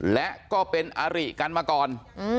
และก็เป็นอาริกันมาก่อน